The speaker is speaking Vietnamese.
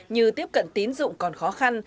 như tiếp cận tín dụng còn khó khăn